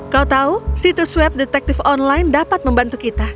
kau tahu situs web detektif online dapat membantu kita